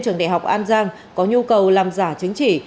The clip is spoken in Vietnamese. trường đại học an giang có nhu cầu làm giả chứng chỉ